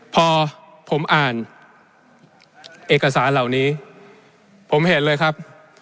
พอผมอ่านเอกสารเหล่านี้ผมเห็นเลยครับ